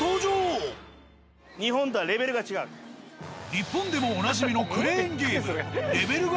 日本でもおなじみのクレーンゲーム。